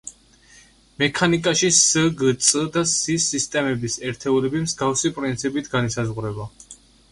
მექანიკაში სგწ და სი-სისტემის ერთეულები მსგავსი პრინციპით განისაზღვრება.